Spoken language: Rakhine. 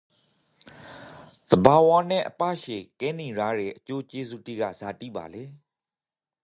သဘာဝနန့်အပါးချေကပ်နီရရေအကျိုးကျေးဇူးတိကဇာတိပါလေ